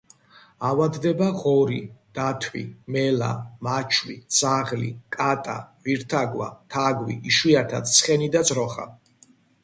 ავადდება ღორი, დათვი, მელა, მაჩვი, ძაღლი, კატა, ვირთაგვა, თაგვი, იშვიათად ცხენი და ძროხა.